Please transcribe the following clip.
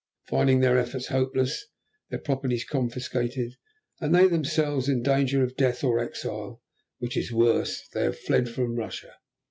Finding their efforts hopeless, their properties confiscated, and they themselves in danger of death, or exile, which is worse, they have fled from Russia.